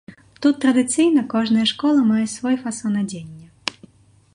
Тут традыцыйна кожная школа мае свой фасон адзення.